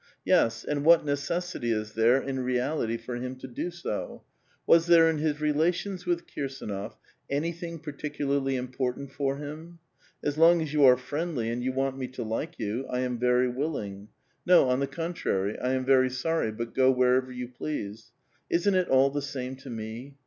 Yes, and what necessity is there in reality for liim to do so? Was there in his relations with Kirsdnof anything particularly important for him? As hmg as you are friendly and you want mj to like you, I am very willing ; no, on the contrary, I am very sony, but go wherever you please. Isn't it all the same to me?